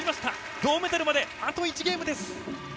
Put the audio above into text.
銅メダルまで、あと１ゲームです。